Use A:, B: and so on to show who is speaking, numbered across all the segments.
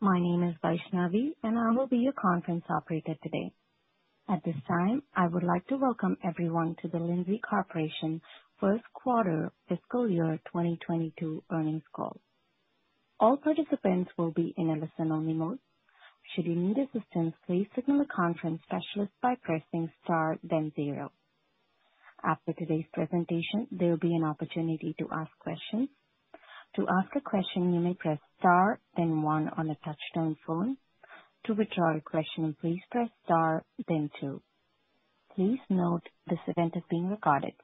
A: My name is Vaishnavi, and I will be your conference operator today. At this time, I would like to welcome everyone to the Lindsay Corporation first quarter fiscal year 2022 earnings call. All participants will be in a listen-only mode. Should you need assistance, please signal the conference specialist by pressing star then zero. After today's presentation, there will be an opportunity to ask questions. To ask a question, you may press star then one on a touchtone phone. To withdraw a question, please press star then two. Please note this event is being recorded.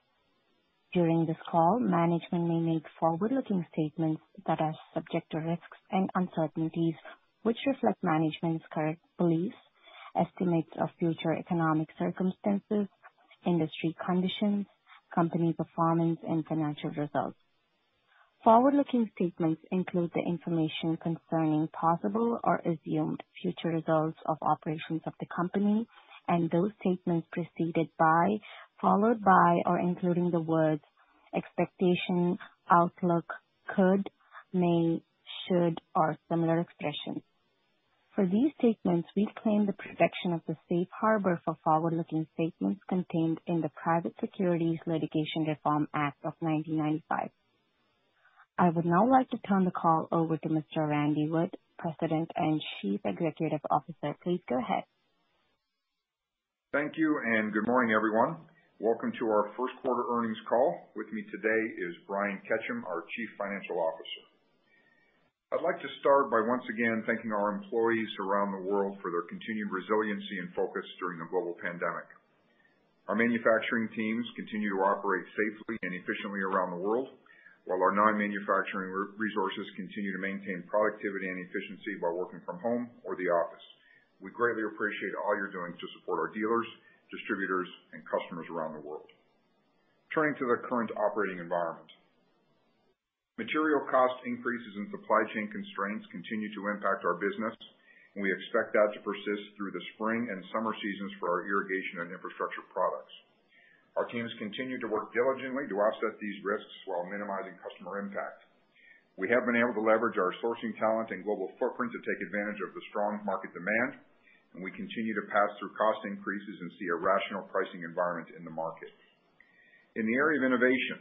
A: During this call, management may make forward-looking statements that are subject to risks and uncertainties, which reflect management's current beliefs, estimates of future economic circumstances, industry conditions, company performance, and financial results. Forward-looking statements include the information concerning possible or assumed future results of operations of the company and those statements preceded by, followed by, or including the words expectation, outlook, could, may, should, or similar expressions. For these statements, we claim the protection of the safe harbor for forward-looking statements contained in the Private Securities Litigation Reform Act of 1995. I would now like to turn the call over to Mr. Randy Wood, President and Chief Executive Officer. Please go ahead.
B: Thank you and good morning, everyone. Welcome to our first quarter earnings call. With me today is Brian Ketcham, our Chief Financial Officer. I'd like to start by once again thanking our employees around the world for their continued resiliency and focus during the global pandemic. Our manufacturing teams continue to operate safely and efficiently around the world, while our non-manufacturing resources continue to maintain productivity and efficiency by working from home or the office. We greatly appreciate all you're doing to support our dealers, distributors, and customers around the world. Turning to the current operating environment. Material cost increases and supply chain constraints continue to impact our business, and we expect that to persist through the spring and summer seasons for our irrigation and infrastructure products. Our teams continue to work diligently to offset these risks while minimizing customer impact. We have been able to leverage our sourcing talent and global footprint to take advantage of the strong market demand, and we continue to pass through cost increases and see a rational pricing environment in the market. In the area of innovation,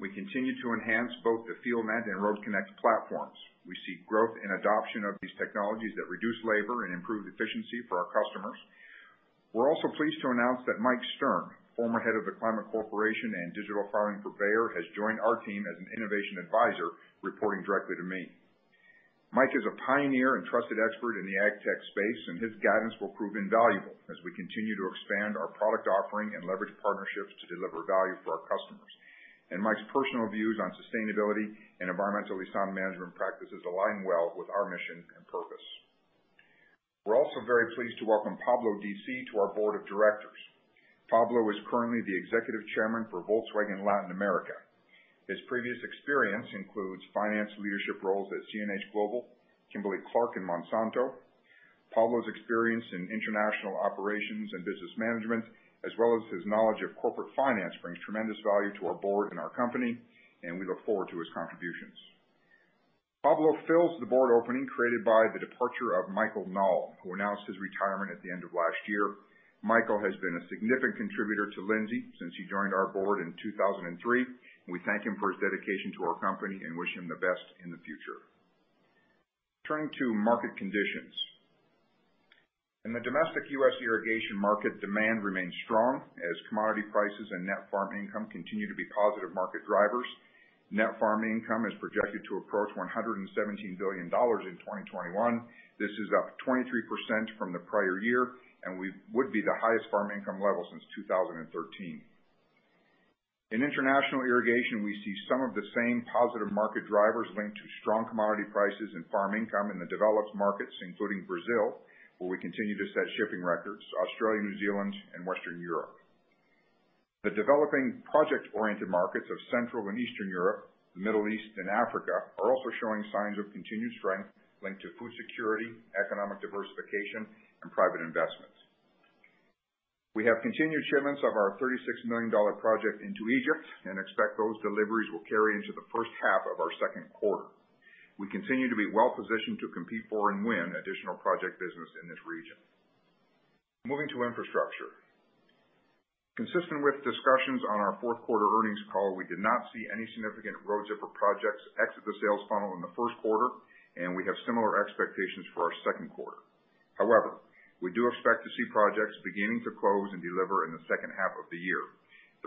B: we continue to enhance both the FieldNET and RoadConnect platforms. We see growth and adoption of these technologies that reduce labor and improve efficiency for our customers. We're also pleased to announce that Mike Stern, former head of The Climate Corporation and digital farming for Bayer, has joined our team as an innovation advisor, reporting directly to me. Mike is a pioneer and trusted expert in the ag tech space, and his guidance will prove invaluable as we continue to expand our product offering and leverage partnerships to deliver value for our customers. Mike's personal views on sustainability and environmentally sound management practices align well with our mission and purpose. We're also very pleased to welcome Pablo Di Si to our board of directors. Pablo is currently the executive chairman for Volkswagen Latin America. His previous experience includes finance leadership roles at CNH Global, Kimberly-Clark, and Monsanto. Pablo's experience in international operations and business management, as well as his knowledge of corporate finance, brings tremendous value to our board and our company, and we look forward to his contributions. Pablo fills the board opening created by the departure of Michael Nahl, who announced his retirement at the end of last year. Michael has been a significant contributor to Lindsay since he joined our board in 2003. We thank him for his dedication to our company and wish him the best in the future. Turning to market conditions. In the domestic U.S. irrigation market, demand remains strong as commodity prices and net farm income continue to be positive market drivers. Net farm income is projected to approach $117 billion in 2021. This is up 23% from the prior year and we would be the highest farm income level since 2013. In international irrigation, we see some of the same positive market drivers linked to strong commodity prices and farm income in the developed markets, including Brazil, where we continue to set shipping records, Australia, New Zealand and Western Europe. The developing project-oriented markets of Central and Eastern Europe, Middle East and Africa are also showing signs of continued strength linked to food security, economic diversification and private investments. We have continued shipments of our $36 million project into Egypt and expect those deliveries will carry into the first half of our second quarter. We continue to be well-positioned to compete for and win additional project business in this region. Moving to infrastructure. Consistent with discussions on our fourth quarter earnings call, we did not see any significant Road Zipper projects exit the sales funnel in the first quarter, and we have similar expectations for our second quarter. However, we do expect to see projects beginning to close and deliver in the second half of the year.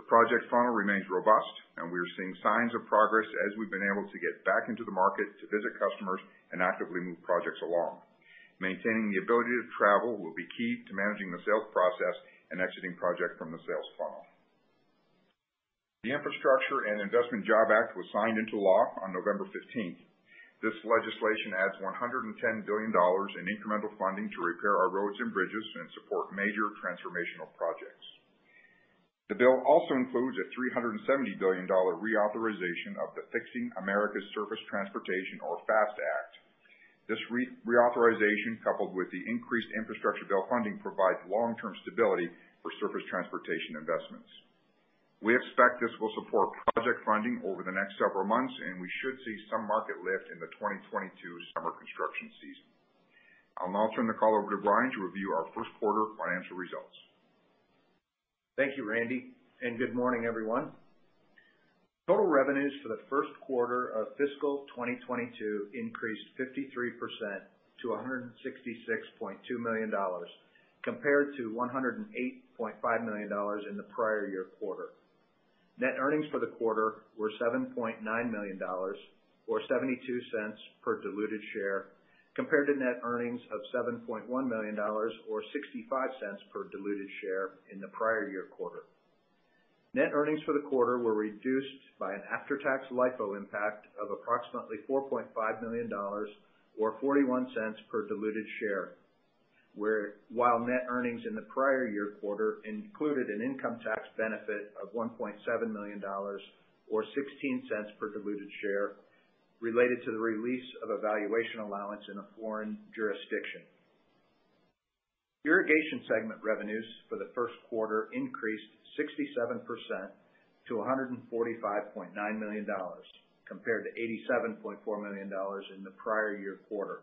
B: The project funnel remains robust and we are seeing signs of progress as we've been able to get back into the market to visit customers and actively move projects along. Maintaining the ability to travel will be key to managing the sales process and exiting projects from the sales funnel. The Infrastructure Investment and Jobs Act was signed into law on November fifteenth. This legislation adds $110 billion in incremental funding to repair our roads and bridges and support major transformational projects. The bill also includes a $370 billion reauthorization of the Fixing America's Surface Transportation Act, or FAST Act. This reauthorization, coupled with the increased infrastructure bill funding, provides long-term stability for surface transportation investments. We expect this will support project funding over the next several months, and we should see some market lift in the 2022 summer construction season. I'll now turn the call over to Brian to review our first quarter financial results.
C: Thank you, Randy, and good morning, everyone. Total revenues for the first quarter of fiscal 2022 increased 53% to $166.2 million compared to $108.5 million in the prior-year-quarter. Net earnings for the quarter were $7.9 million or $0.72 per diluted share compared to net earnings of $7.1 million or $0.65 per diluted share in the prior-year-quarter. Net earnings for the quarter were reduced by an after-tax LIFO impact of approximately $4.5 million or $0.41 per diluted share, while net earnings in the prior-year-quarter included an income tax benefit of $1.7 million or $0.16 per diluted share related to the release of a valuation allowance in a foreign jurisdiction. Irrigation segment revenues for the first quarter increased 67% to $145.9 million compared to $87.4 million in the prior-year-quarter.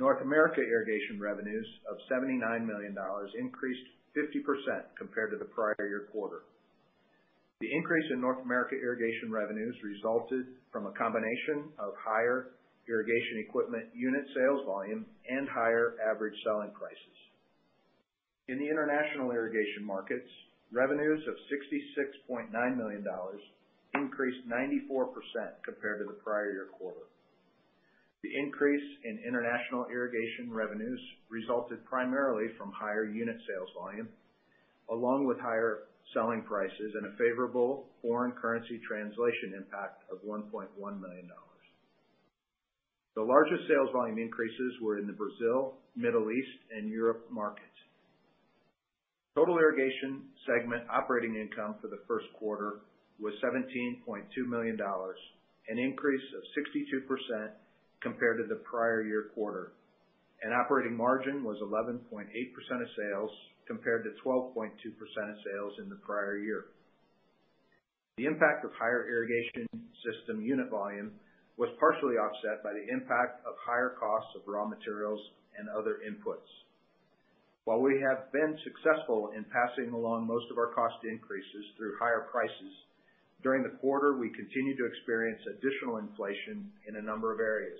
C: North America irrigation revenues of $79 million increased 50% compared to the prior-year-quarter. The increase in North America irrigation revenues resulted from a combination of higher irrigation equipment unit sales volume and higher average selling prices. In the international irrigation markets, revenues of $66.9 million increased 94% compared to the prior-year-quarter. The increase in international irrigation revenues resulted primarily from higher unit sales volume, along with higher selling prices and a favorable foreign currency translation impact of $1.1 million. The largest sales volume increases were in the Brazil, Middle East, and Europe markets. Total irrigation segment operating income for the first quarter was $17.2 million, an increase of 62% compared to the prior-year-quarter, and operating margin was 11.8% of sales compared to 12.2% of sales in the prior year. The impact of higher irrigation system unit volume was partially offset by the impact of higher costs of raw materials and other inputs. While we have been successful in passing along most of our cost increases through higher prices, during the quarter, we continued to experience additional inflation in a number of areas.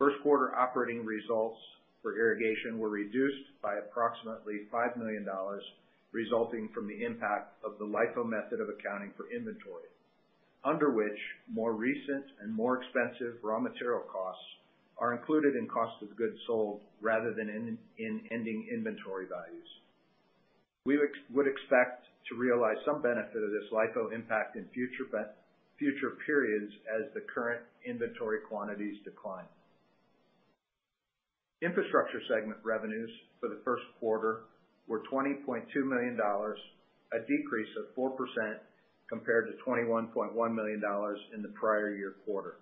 C: First quarter operating results for irrigation were reduced by approximately $5 million resulting from the impact of the LIFO method of accounting for inventory, under which more recent and more expensive raw material costs are included in cost of goods sold rather than in ending inventory values. We would expect to realize some benefit of this LIFO impact in future periods as the current inventory quantities decline. Infrastructure segment revenues for the first quarter were $20.2 million, a decrease of 4% compared to $21.1 million in the prior-year-quarter.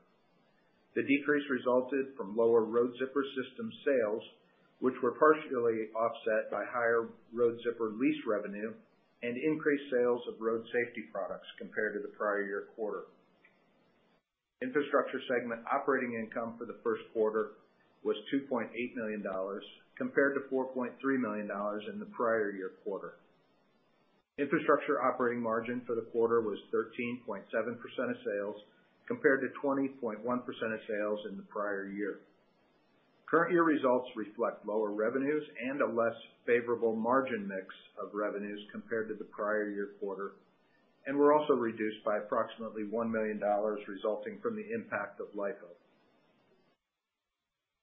C: The decrease resulted from lower Road Zipper system sales, which were partially offset by higher Road Zipper lease revenue and increased sales of Road Safety products compared to the prior-year-quarter. Infrastructure segment operating income for the first quarter was $2.8 million compared to $4.3 million in the prior-year-quarter. Infrastructure operating margin for the quarter was 13.7% of sales compared to 20.1% of sales in the prior year. Current year results reflect lower revenues and a less favorable margin mix of revenues compared to the prior-year-quarter and were also reduced by approximately $1 million resulting from the impact of LIFO.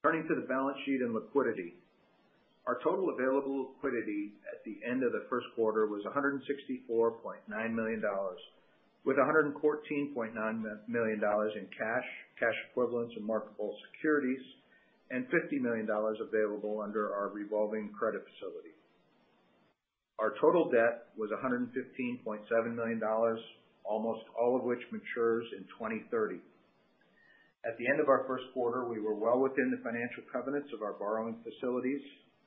C: Turning to the balance sheet and liquidity. Our total available liquidity at the end of the first quarter was $164.9 million, with $114.9 million in cash equivalents and marketable securities, and $50 million available under our revolving credit facility. Our total debt was $115.7 million, almost all of which matures in 2030. At the end of our first quarter, we were well within the financial covenants of our borrowing facilities,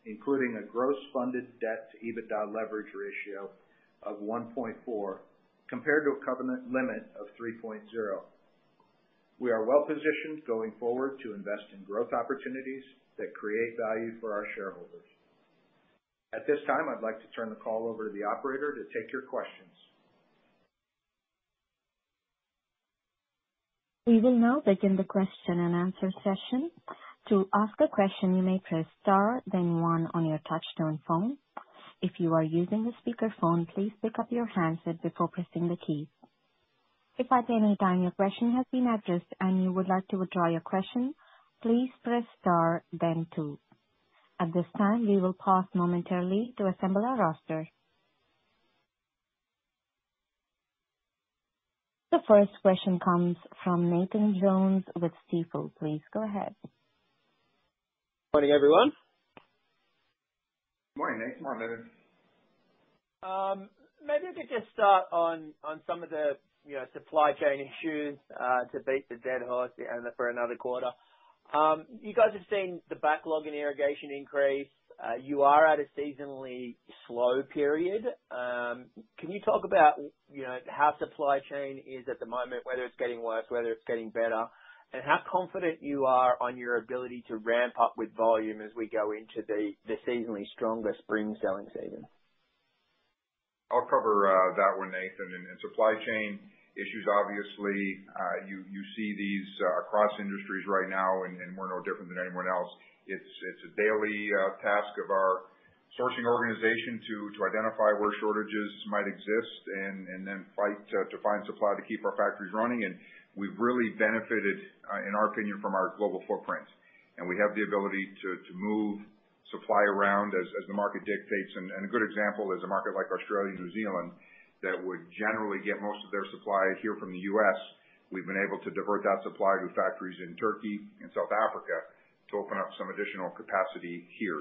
C: including a gross funded debt-to-EBITDA leverage ratio of 1.4, compared to a covenant limit of 3.0. We are well positioned going forward to invest in growth opportunities that create value for our shareholders. At this time, I'd like to turn the call over to the operator to take your questions.
A: We will now begin the question-and-answer session. To ask a question, you may press star then one on your touchtone phone. If you are using a speakerphone, please pick up your handset before pressing the key. If at any time your question has been addressed and you would like to withdraw your question, please press star then two. At this time, we will pause momentarily to assemble our roster. The first question comes from Nathan Jones with Stifel. Please go ahead.
D: Morning, everyone.
B: Morning, Nate. Morning.
D: Maybe I could just start on some of the, you know, supply chain issues, to beat the dead horse and for another quarter. You guys have seen the backlog in irrigation increase. You are at a seasonally slow period. Can you talk about, you know, how supply chain is at the moment, whether it's getting worse, whether it's getting better, and how confident you are on your ability to ramp up with volume as we go into the seasonally stronger spring selling season?
B: I'll cover that one, Nathan. Supply chain issues, obviously, you see these across industries right now, and we're no different than anyone else. It's a daily task of our sourcing organization to identify where shortages might exist and then fight to find supply to keep our factories running. We've really benefited, in our opinion, from our global footprint. We have the ability to move supply around as the market dictates. A good example is a market like Australia and New Zealand that would generally get most of their supply here from the U.S. We've been able to divert that supply to factories in Turkey and South Africa to open up some additional capacity here.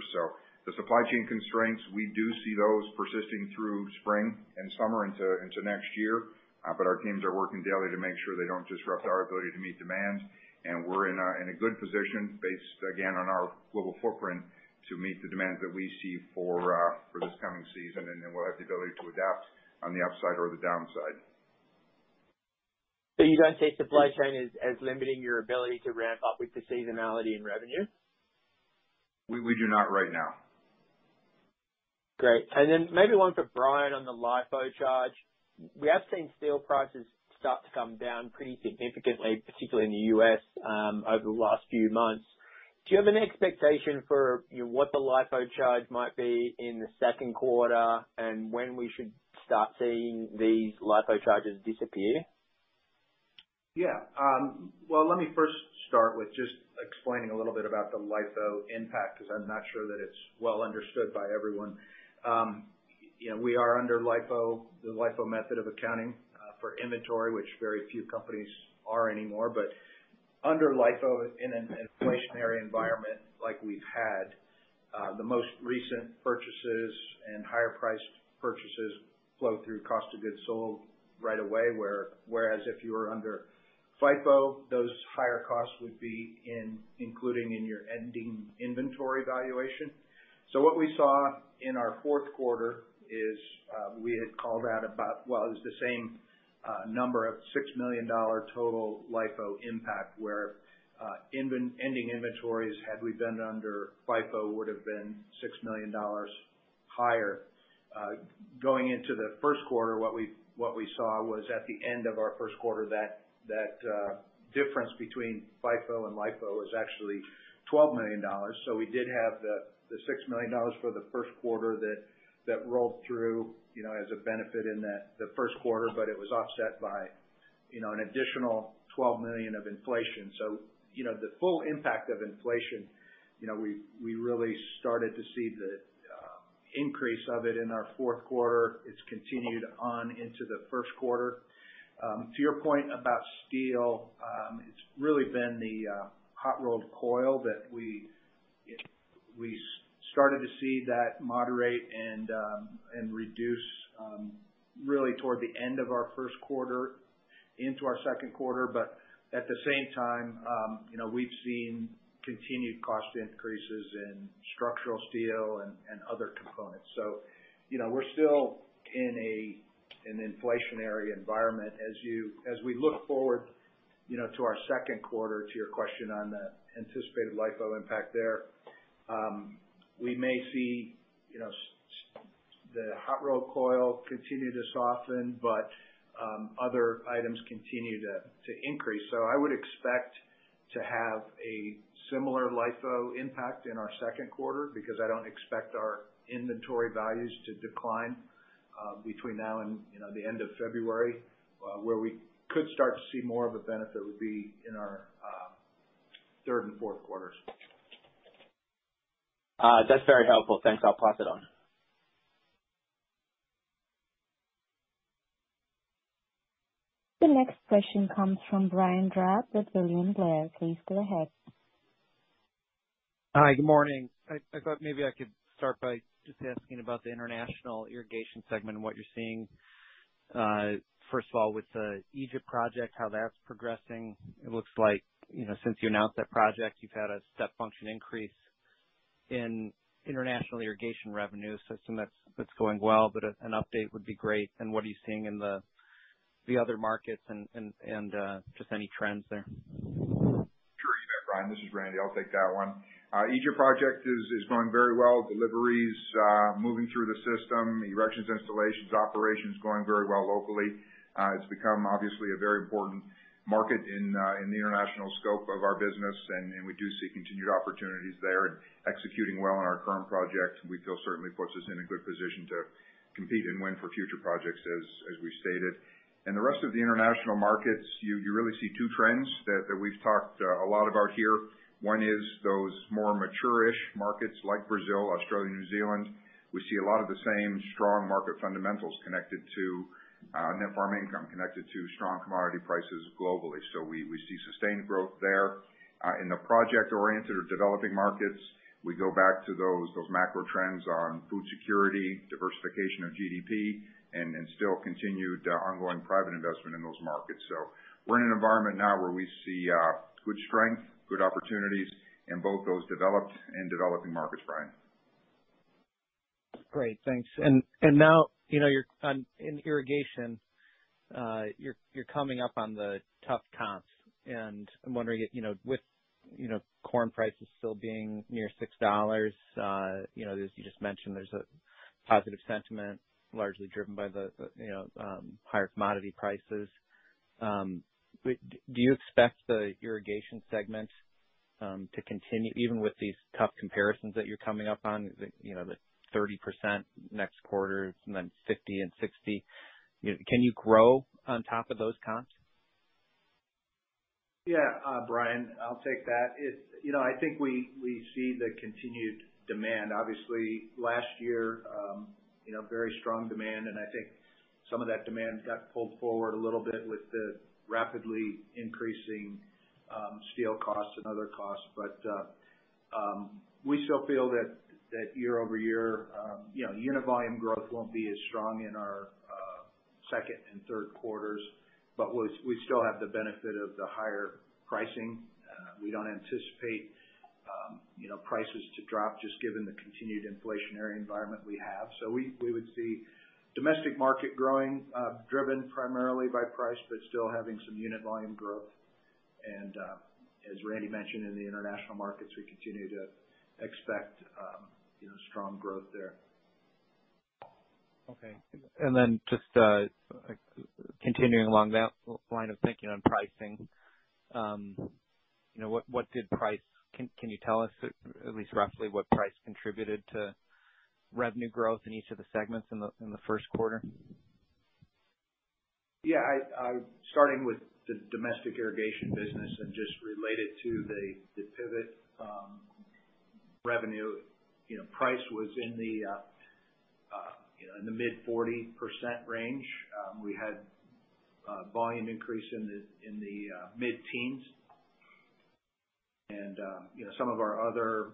B: The supply chain constraints, we do see those persisting through spring and summer into next year. Our teams are working daily to make sure they don't disrupt our ability to meet demands. We're in a good position based, again, on our global footprint, to meet the demand that we see for this coming season. Then we'll have the ability to adapt on the upside or the downside.
D: You don't see supply chain as limiting your ability to ramp up with the seasonality and revenue?
B: We do not right now.
D: Great. Maybe one for Brian on the LIFO charge. We have seen steel prices start to come down pretty significantly, particularly in the U.S., over the last few months. Do you have an expectation for, you know, what the LIFO charge might be in the second quarter and when we should start seeing these LIFO charges disappear?
C: Yeah. Well, let me first start with just explaining a little bit about the LIFO impact, because I'm not sure that it's well understood by everyone. You know, we are under LIFO, the LIFO method of accounting, for inventory, which very few companies are anymore. But under LIFO, in an inflationary environment like we've had, the most recent purchases and higher priced purchases flow through cost of goods sold right away. Whereas if you are under FIFO, those higher costs would be including in your ending inventory valuation. What we saw in our fourth quarter is, we had called out about, it was the same, number of $6 million total LIFO impact, where, ending inventories, had we done it under FIFO, would have been $6 million higher. Going into the first quarter, what we saw was at the end of our first quarter, that difference between FIFO and LIFO was actually $12 million. We did have the $6 million for the first quarter that rolled through, you know, as a benefit in the first quarter, but it was offset by, you know, an additional $12 million of inflation. You know, the full impact of inflation, you know, we really started to see the increase of it in our fourth quarter. It's continued on into the first quarter. To your point about steel, it's really been the hot rolled coil that we started to see that moderate and reduce really toward the end of our first quarter into our second quarter. At the same time, you know, we've seen continued cost increases in structural steel and other components. You know, we're still in an inflationary environment. As we look forward, you know, to our second quarter, to your question on the anticipated LIFO impact there, we may see, you know, the hot rolled coil continue to soften, but other items continue to increase. I would expect to have a similar LIFO impact in our second quarter because I don't expect our inventory values to decline between now and the end of February. Where we could start to see more of a benefit would be in our third and fourth quarters.
D: That's very helpful. Thanks. I'll plot that on.
A: The next question comes from Brian Drab with William Blair. Please go ahead.
E: Hi. Good morning. I thought maybe I could start by just asking about the international irrigation segment and what you're seeing, first of all with the Egypt project, how that's progressing. It looks like, you know, since you announced that project, you've had a step function increase in international irrigation revenue. I assume that's going well, but an update would be great. What are you seeing in the other markets and just any trends there?
B: Sure, you bet, Brian. This is Randy. I'll take that one. Egypt project is going very well. Delivery's moving through the system. Erections, installations, operations going very well locally. It's become obviously a very important market in the international scope of our business, and we do see continued opportunities there. Executing well on our current project, we feel certainly puts us in a good position to compete and win for future projects, as we stated. In the rest of the international markets, you really see two trends that we've talked a lot about here. One is those more mature-ish markets like Brazil, Australia, New Zealand. We see a lot of the same strong market fundamentals connected to net farm income, connected to strong commodity prices globally. We see sustained growth there. In the project-oriented or developing markets, we go back to those macro trends on food security, diversification of GDP and still continued ongoing private investment in those markets. We're in an environment now where we see good strength, good opportunities in both those developed and developing markets, Brian.
E: Great, thanks. Now, you know, you're in irrigation, you're coming up on the tough comps, and I'm wondering if, you know, with, you know, corn prices still being near $6, you know, as you just mentioned, there's a positive sentiment largely driven by the higher commodity prices. Do you expect the irrigation segment to continue even with these tough comparisons that you're coming up on, the 30% next quarter and then 50% and 60%? You know, can you grow on top of those comps?
C: Brian, I'll take that. It's you know, I think we see the continued demand. Obviously, last year, you know, very strong demand, and I think some of that demand got pulled forward a little bit with the rapidly increasing steel costs and other costs. We still feel that year-over-year you know, unit volume growth won't be as strong in our second and third quarters, but we still have the benefit of the higher pricing. We don't anticipate you know, prices to drop just given the continued inflationary environment we have. We would see domestic market growing driven primarily by price, but still having some unit volume growth. As Randy mentioned in the international markets, we continue to expect you know, strong growth there.
E: Okay. Just continuing along that line of thinking on pricing, you know, can you tell us at least roughly what price contributed to revenue growth in each of the segments in the first quarter?
C: Yeah. Starting with the domestic irrigation business and just related to the pivot revenue, you know, price was in the mid-40% range. We had volume increase in the mid-teens%. You know, some of our other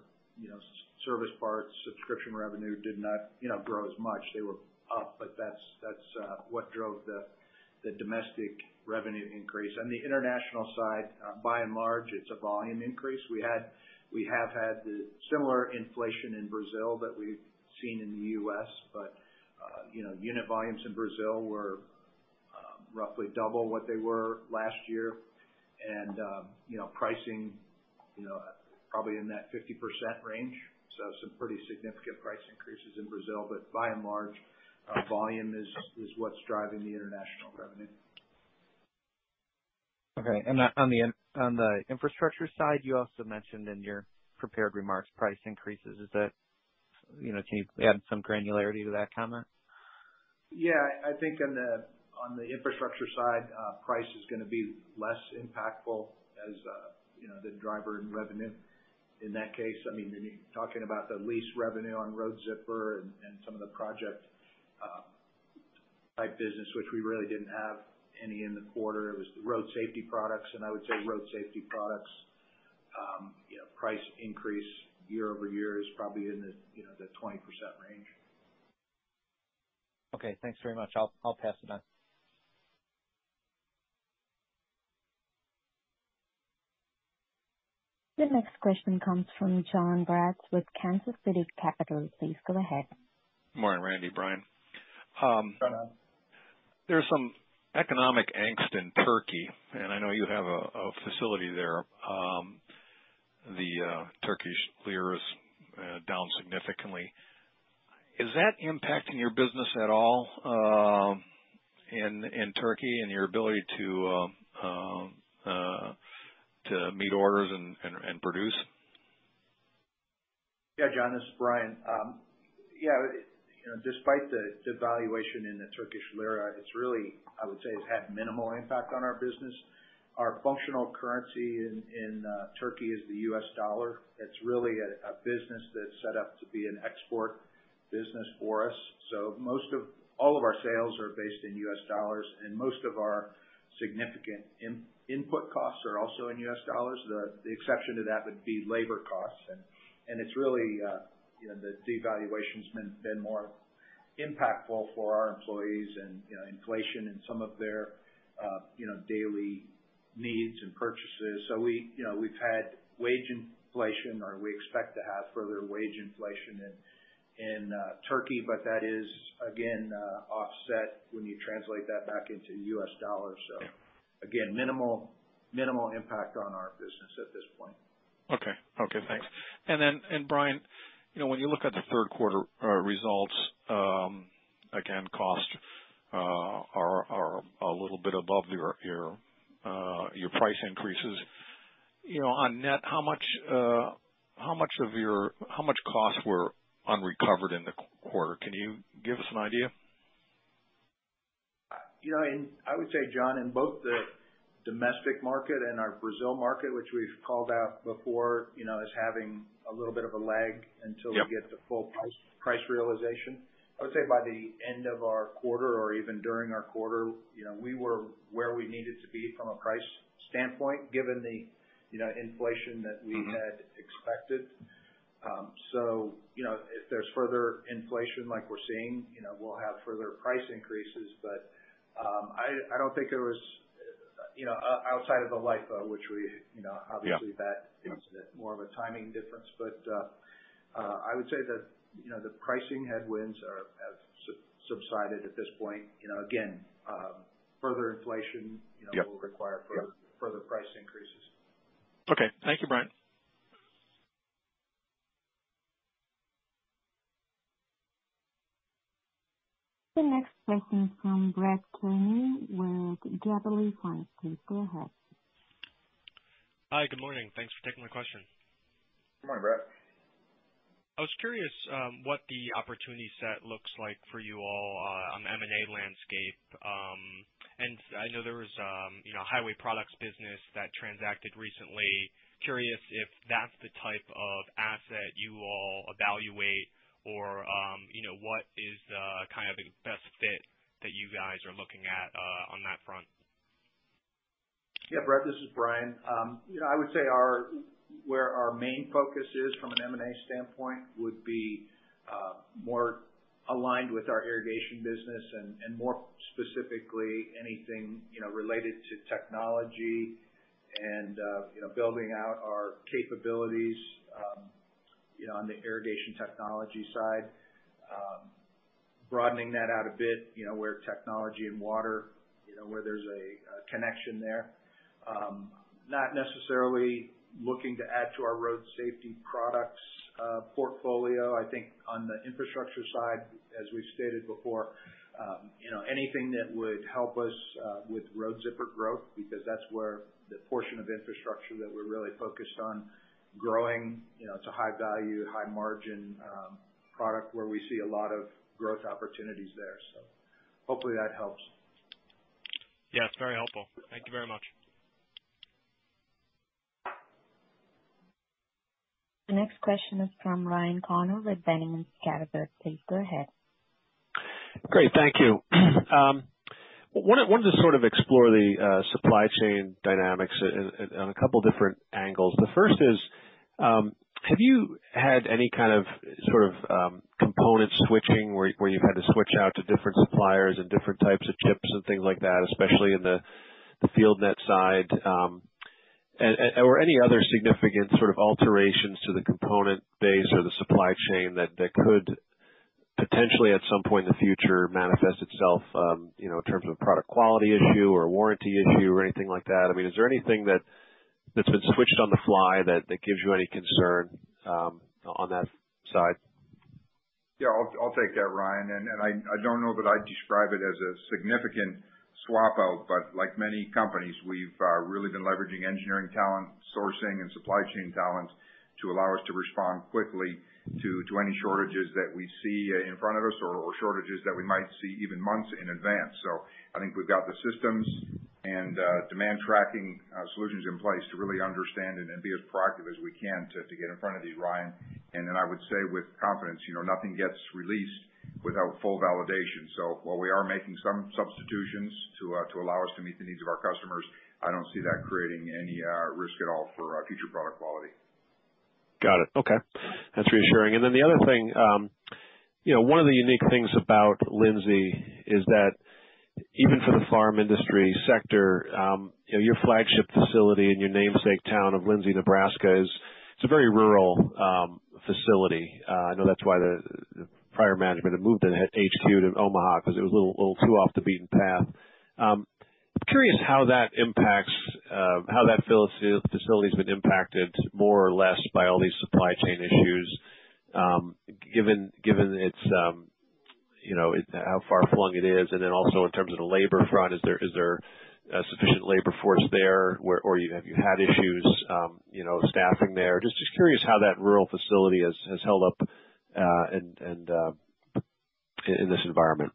C: service parts, subscription revenue did not grow as much. They were up, but that's what drove the domestic revenue increase. On the international side, by and large, it's a volume increase. We have had the similar inflation in Brazil that we've seen in the U.S., but you know, unit volumes in Brazil were roughly double what they were last year. You know, pricing you know, probably in that 50% range. Some pretty significant price increases in Brazil, but by and large, volume is what's driving the international revenue.
E: Okay. On the infrastructure side, you also mentioned in your prepared remarks price increases. Is that? You know, can you add some granularity to that comment?
C: Yeah. I think on the infrastructure side, price is gonna be less impactful as you know the driver in revenue. In that case, I mean, when you're talking about the lease revenue on Road Zipper and some of the project type business, which we really didn't have any in the quarter. It was the Road Safety products, and I would say Road Safety products, you know, price increase year-over-year is probably in the 20% range.
E: Okay. Thanks very much. I'll pass it on.
A: The next question comes from Jonathan Braatz with Kansas City Capital. Please go ahead.
F: Morning, Randy, Brian.
C: John.
F: There's some economic angst in Turkey, and I know you have a facility there. The Turkish lira is down significantly. Is that impacting your business at all, in Turkey and your ability to meet orders and produce?
C: Yeah. John, this is Brian. Yeah, you know, despite the devaluation in the Turkish lira, it's really. I would say it's had minimal impact on our business. Our functional currency in Turkey is the US dollar. It's really a business that's set up to be an export business for us. So all of our sales are based in US dollars, and most of our significant input costs are also in US dollars. The exception to that would be labor costs. It's really, you know, the devaluation's been more impactful for our employees and, you know, inflation in some of their daily needs and purchases. We, you know, we've had wage inflation, or we expect to have further wage inflation in Turkey, but that is again offset when you translate that back into U.S. dollars. Again, minimal impact on our business at this point.
F: Okay. Okay, thanks. Then, Brian, you know, when you look at the third quarter results, again, costs are a little bit above your price increases. You know, on net, how much costs were unrecovered in the quarter? Can you give us an idea?
C: You know, I would say, John, in both the domestic market and our Brazil market, which we've called out before, you know, as having a little bit of a lag.
F: Yep.
C: Until we get the full price realization. I would say by the end of our quarter or even during our quarter, you know, we were where we needed to be from a price standpoint, given the, you know, inflation that we
F: Mm-hmm.
C: had expected. You know, if there's further inflation like we're seeing, you know, we'll have further price increases. I don't think there was You know, outside of the LIFO which we, you know.
F: Yeah.
C: Obviously that is more of a timing difference. I would say that, you know, the pricing headwinds have subsided at this point. You know, again, further inflation
F: Yeah.
C: you know, will require further
F: Yeah.
C: Further price increases.
F: Okay. Thank you, Brian.
A: The next question from Bret Jordan with Jefferies. Please go ahead.
G: Hi. Good morning. Thanks for taking my question.
B: Good morning, Brett.
G: I was curious what the opportunity set looks like for you all on the M&A landscape. I know there was you know highway products business that transacted recently. Curious if that's the type of asset you all evaluate or you know what is the kind of best fit that you guys are looking at on that front?
C: Yeah. Brett, this is Brian. You know, I would say our where our main focus is from an M&A standpoint would be more aligned with our irrigation business and more specifically anything, you know, related to technology and you know, building out our capabilities, you know, on the irrigation technology side. Broadening that out a bit, you know, where technology and water, you know, where there's a connection there. Not necessarily looking to add to our Road Safety products portfolio. I think on the infrastructure side, as we've stated before, you know, anything that would help us with Road Zipper growth, because that's where the portion of infrastructure that we're really focused on growing. You know, it's a high value, high margin product where we see a lot of growth opportunities there. Hopefully that helps.
G: Yeah, it's very helpful. Thank you very much.
A: The next question is from Ryan Connors with Boenning & Scattergood. Please go ahead.
H: Great. Thank you. I wanted to sort of explore the supply chain dynamics on a couple different angles. The first is, have you had any kind of sort of component switching where you've had to switch out to different suppliers and different types of chips and things like that, especially in the FieldNET side? Were any other significant sort of alterations to the component base or the supply chain that could potentially at some point in the future manifest itself, you know, in terms of a product quality issue or a warranty issue or anything like that? I mean, is there anything that's been switched on the fly that gives you any concern on that side?
B: Yeah, I'll take that, Ryan. I don't know that I'd describe it as a significant swap out, but like many companies, we've really been leveraging engineering talent, sourcing and supply chain talent to allow us to respond quickly to any shortages that we see in front of us or shortages that we might see even months in advance. I think we've got the systems and demand tracking solutions in place to really understand and be as proactive as we can to get in front of these, Ryan. Then I would say with confidence, you know, nothing gets released without full validation. While we are making some substitutions to allow us to meet the needs of our customers, I don't see that creating any risk at all for our future product quality.
H: Got it. Okay. That's reassuring. The other thing, you know, one of the unique things about Lindsay is that even for the farm industry sector, you know, your flagship facility in your namesake town of Lindsay, Nebraska, is. It's a very rural facility. I know that's why the prior management had moved the HQ to Omaha because it was a little too off the beaten path. I'm curious how that impacts how that facility's been impacted more or less by all these supply chain issues, given its, you know, how far-flung it is. Also in terms of the labor front, is there a sufficient labor force there, or have you had issues staffing there? Just curious how that rural facility has held up, and in this environment.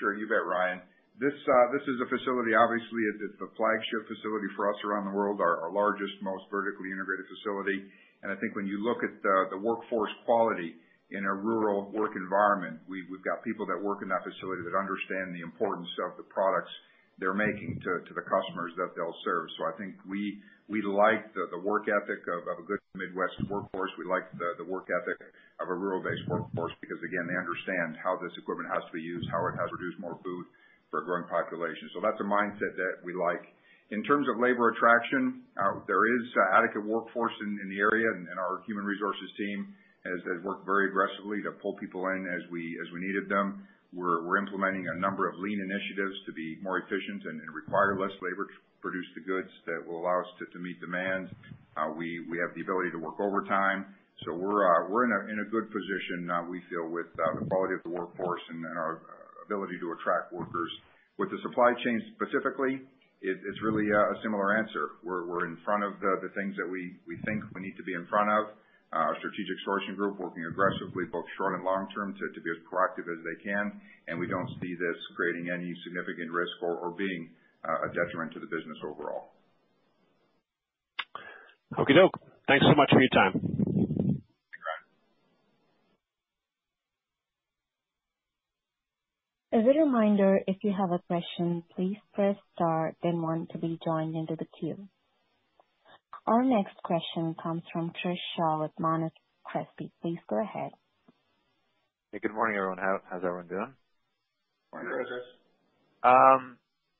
B: Sure. You bet, Ryan. This is a facility obviously, it's the flagship facility for us around the world, our largest, most vertically integrated facility. I think when you look at the workforce quality in a rural work environment, we've got people that work in that facility that understand the importance of the products they're making to the customers that they'll serve. I think we like the work ethic of a good Midwest workforce. We like the work ethic of a rural-based workforce because again, they understand how this equipment has to be used, how it has to produce more food for a growing population. That's a mindset that we like. In terms of labor attraction, there is adequate workforce in the area and our human resources team has worked very aggressively to pull people in as we needed them. We're implementing a number of lean initiatives to be more efficient and require less labor to produce the goods that will allow us to meet demand. We have the ability to work overtime. We're in a good position, we feel with the quality of the workforce and our ability to attract workers. With the supply chain specifically, it's really a similar answer. We're in front of the things that we think we need to be in front of. Our strategic sourcing group working aggressively, both short and long term to be as proactive as they can. We don't see this creating any significant risk or being a detriment to the business overall.
H: Okey-doke. Thanks so much for your time.
B: Thank you.
A: As a reminder, if you have a question, please press star then one to be joined into the queue. Our next question comes from Chris Shaw with Monness Crespi. Please go ahead.
I: Hey, good morning, everyone. How's everyone doing?
B: Good. Chris.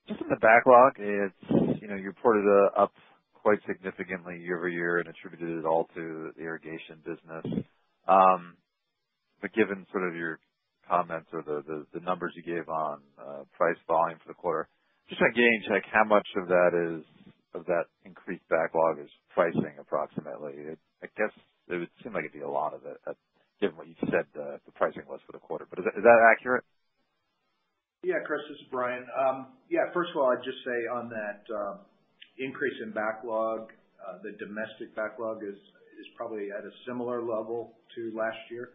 I: Just in the backlog, it's, you know, you reported up quite significantly year-over-year and attributed it all to the irrigation business. Given sort of your comments or the numbers you gave on price volume for the quarter, just to gauge, like how much of that increased backlog is pricing approximately? I guess it would seem like it'd be a lot of it, given what you said the pricing was for the quarter, but is that accurate?
C: Yeah. Chris, this is Brian. Yeah, first of all, I'd just say on that, increase in backlog, the domestic backlog is probably at a similar level to last year.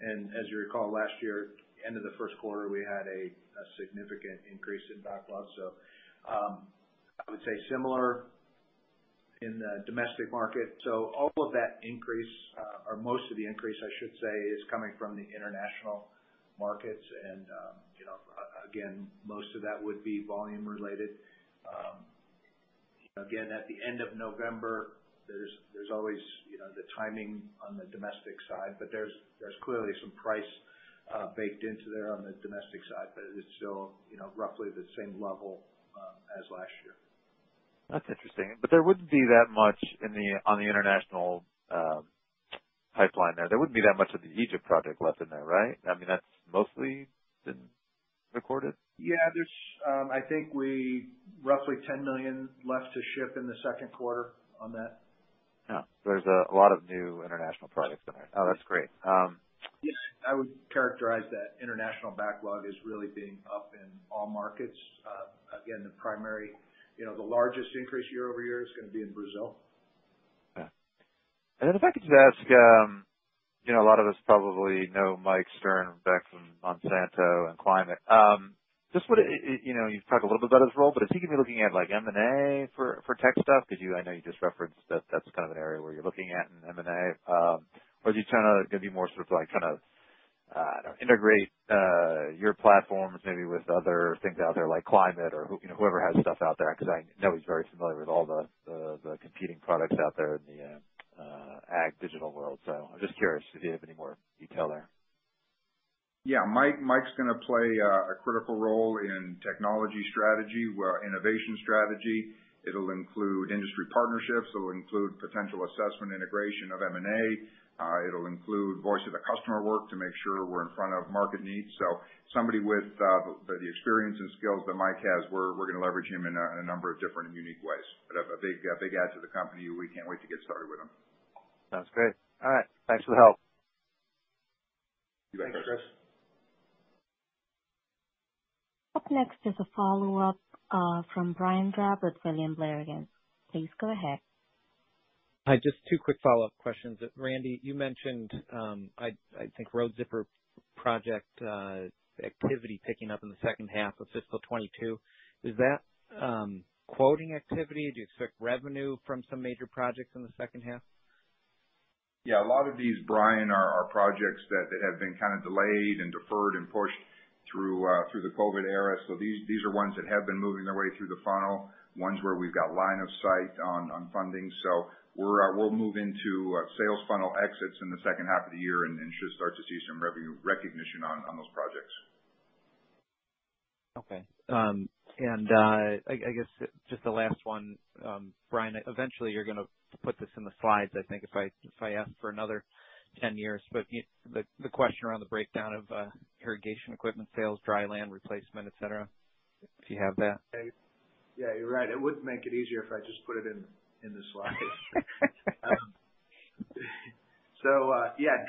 C: As you recall, last year, end of the first quarter, we had a significant increase in backlog. I would say similar in the domestic market. All of that increase, or most of the increase, I should say, is coming from the international markets. You know, again, most of that would be volume related. Again, at the end of November, there's always, you know, the timing on the domestic side, but there's clearly some price baked into there on the domestic side, but it's still, you know, roughly the same level as last year.
I: That's interesting. There wouldn't be that much in the, on the international pipeline there. There wouldn't be that much of the Egypt project left in there, right? I mean, that's mostly been recorded.
C: Yeah. I think we have roughly $10 million left to ship in the second quarter on that.
I: Oh. There's a lot of new international projects in there. Oh, that's great.
C: Yes. I would characterize that international backlog as really being up in all markets. Again, the primary, you know, the largest increase year-over-year is gonna be in Brazil.
I: Yeah. If I could just ask, you know, a lot of us probably know Mike Stern, ex from Monsanto and Climate. Just, I, you know, you've talked a little bit about his role, but is he gonna be looking at, like, M&A for tech stuff? 'Cause you, I know you just referenced that that's kind of an area where you're looking at in M&A. Or is he gonna be more sort of like trying to, I don't know, integrate your platforms maybe with other things out there, like Climate or, you know, whoever has stuff out there? 'Cause I know he's very familiar with all the competing products out there in the ag digital world. So I'm just curious if you have any more detail there.
B: Yeah. Mike's gonna play a critical role in technology strategy and innovation strategy. It'll include industry partnerships. It'll include potential assessment, integration of M&A. It'll include voice of the customer work to make sure we're in front of market needs. Somebody with the experience and skills that Mike has, we're gonna leverage him in a number of different and unique ways. A big add to the company. We can't wait to get started with him.
I: Sounds great. All right. Thanks for the help.
B: You bet.
C: Thanks, Chris.
A: Up next is a follow-up from Brian Drab with William Blair again. Please go ahead.
E: Hi. Just two quick follow-up questions. Randy, you mentioned, I think Road Zipper project activity picking up in the second half of fiscal 2022. Is that quoting activity? Do you expect revenue from some major projects in the second half?
B: Yeah, a lot of these, Brian, are projects that have been kind of delayed and deferred and pushed through the COVID era. So these are ones that have been moving their way through the funnel, ones where we've got line of sight on funding. So we'll move into sales funnel exits in the second half of the year and should start to see some revenue recognition on those projects.
E: Okay. I guess just the last one, Brian, eventually you're gonna put this in the slides, I think, if I ask for another 10 years, but the question around the breakdown of irrigation equipment sales, dry land replacement, et cetera, if you have that.
C: Yeah, you're right. It would make it easier if I just put it in the slides.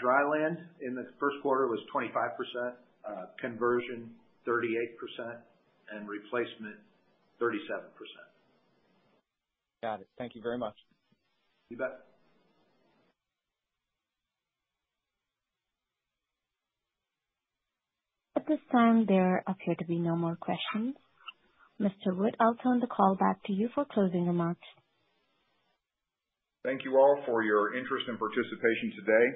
C: Dry land in the first quarter was 25%, conversion 38%, and replacement 37%.
E: Got it. Thank you very much.
B: You bet.
A: At this time, there appear to be no more questions. Mr. Wood, I'll turn the call back to you for closing remarks.
B: Thank you all for your interest and participation today.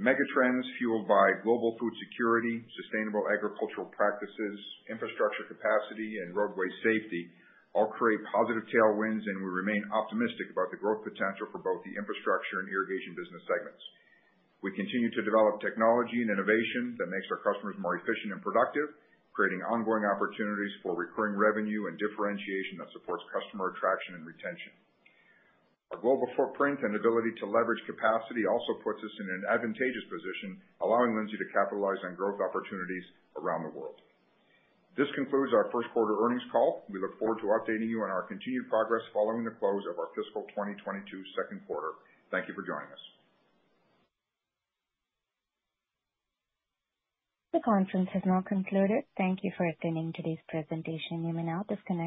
B: The megatrends fueled by global food security, sustainable agricultural practices, infrastructure capacity, and roadway safety all create positive tailwinds, and we remain optimistic about the growth potential for both the infrastructure and irrigation business segments. We continue to develop technology and innovation that makes our customers more efficient and productive, creating ongoing opportunities for recurring revenue and differentiation that supports customer attraction and retention. Our global footprint and ability to leverage capacity also puts us in an advantageous position, allowing Lindsay to capitalize on growth opportunities around the world. This concludes our first quarter earnings call. We look forward to updating you on our continued progress following the close of our fiscal 2022 second quarter. Thank you for joining us.
A: The conference has now concluded. Thank you for attending today's presentation. You may now disconnect.